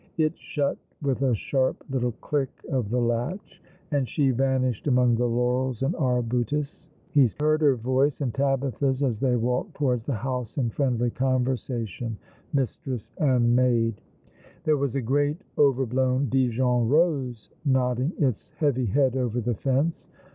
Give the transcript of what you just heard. It shut with a sharp little click of the latch, and she vanished among the laurels and arbutus. He heard her voice and Tabitha's as they walked towards the house in friendly conversation, mistress and maid. There was a great over blown Dijon rose nodding its heavy head over the fence.